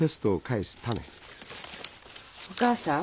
お義母さん。